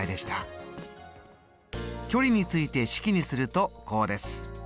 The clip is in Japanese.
距離について式にするとこうです。